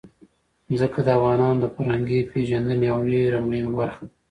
ځمکه د افغانانو د فرهنګي پیژندنې یوه ډېره مهمه برخه ده.